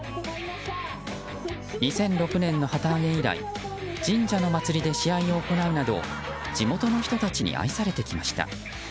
２００６年の旗揚げ以来神社の祭りで試合を行うなど地元の人たちに愛されてきました。